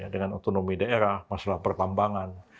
dengan otonomi daerah masalah pertambangan